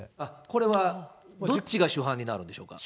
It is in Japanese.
これはどっちが主犯になるんでしょうか？